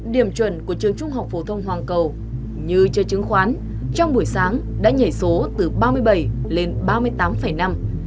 điểm chuẩn của trường trung học phổ thông hoàng cầu như chơi chứng khoán trong buổi sáng đã nhảy số từ ba mươi bảy lên ba mươi tám năm